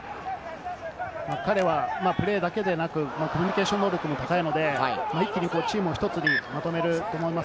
彼はプレーだけでなく、コミュニケーション能力も高いので、一気にチームを１つにまとめ